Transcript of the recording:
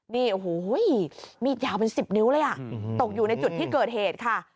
นี่โอ้โหมีดยาวเป็น๑๐นิ้วเลยอ่ะตกอยู่ในจุดที่เกิดเหตุค่ะ